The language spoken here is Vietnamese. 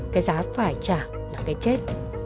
cái giá phải trả là cái chết